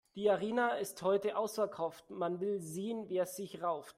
Die Arena ist heut' ausverkauft, man will sehen, wer sich rauft.